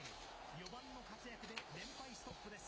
４番の活躍で連敗ストップです。